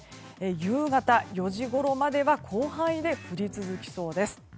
夕方４時ごろまでは広範囲で降り続きそうです。